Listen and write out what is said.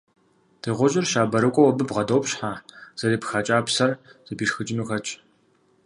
Дыгъужьыр щабэрыкӀуэу абы бгъэдопщхьэ, зэрепха кӀапсэр зэпишхыкӀыну хэтщ.